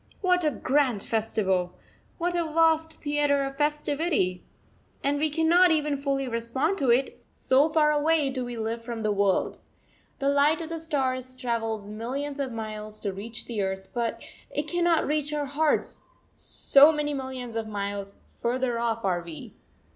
What a grand festival, what a vast theatre of festivity! And we cannot even fully respond to it, so far away do we live from the world! The light of the stars travels millions of miles to reach the earth, but it cannot reach our hearts so many millions of miles further off are we!